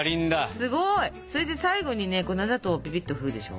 すごい！それで最後にね粉砂糖をピピッとふるでしょ。